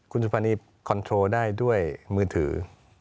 คุณสุภานีคอนโทรได้ด้วยมือถือ